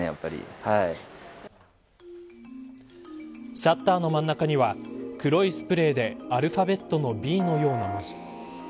シャッターの真ん中には黒いスプレーでアルファベットのＢのような文字。